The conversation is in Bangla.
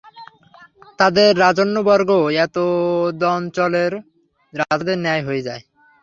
তাদের রাজন্যবর্গও এতদঞ্চলের রাজাদের ন্যায় হয়ে যায়।